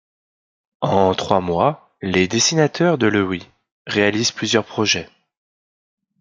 En trois mois, les dessinateurs de Loewy réalisent plusieurs projets.